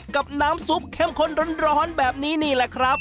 กับน้ำซุปเข้มข้นร้อนแบบนี้นี่แหละครับ